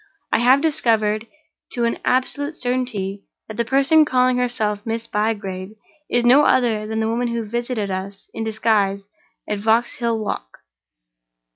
I have discovered, to an absolute certainty, that the person calling herself Miss Bygrave is no other than the woman who visited us in disguise at Vauxhall Walk.